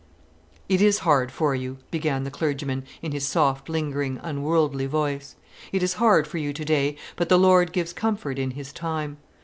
"It is hard for you," began the clergyman in his soft, lingering, unworldly voice. "It is hard for you today, but the Lord gives comfort in His time.